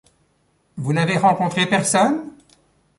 Vous n'avez rencontré personne ?